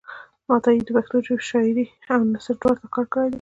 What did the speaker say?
عطایي د پښتو شاعرۍ او نثر دواړو ته کار کړی دی.